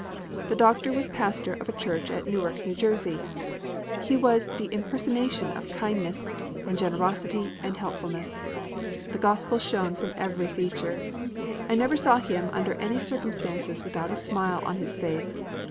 The Doctor was pastor of a church at Newark, N.J. He was the impersonation of kindness, and generosity, and helpfulness. The Gospel shone from every feature. I never saw him under any circumstances without a smile on his face.